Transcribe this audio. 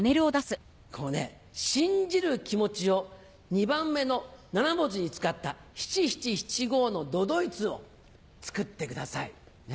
「信じる気持ち」を２番目の７文字に使った七・七・七・五の都々逸を作ってください。